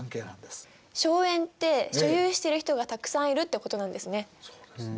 荘園って所有してる人がたくさんいるってことなんですね。